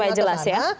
supaya jelas ya